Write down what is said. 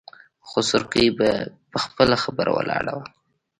خو سورکی په خپله خبره ولاړ و.